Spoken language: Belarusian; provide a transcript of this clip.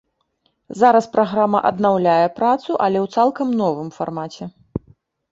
Зараз праграма аднаўляе працу, але ў цалкам новым фармаце.